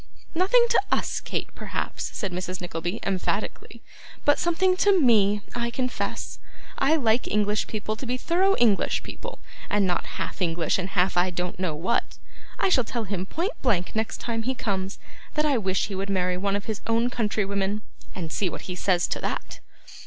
'Nothing to US, Kate, perhaps,' said Mrs. Nickleby, emphatically; 'but something to ME, I confess. I like English people to be thorough English people, and not half English and half I don't know what. I shall tell him point blank next time he comes, that I wish he would marry one of his own country women; and see what he says to that.